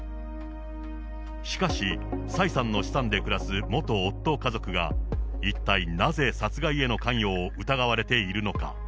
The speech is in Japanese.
しかし、蔡さんの資産で暮らす元夫家族が一体なぜ殺害への関与を疑われているのか。